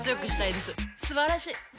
すばらしい！